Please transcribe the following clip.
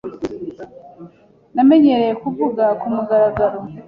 Namenyereye kuvuga kumugaragaro.